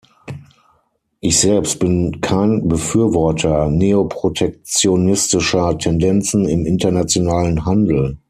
Ich selbst bin kein Befürworter neoprotektionistischer Tendenzen im internationalen Handel.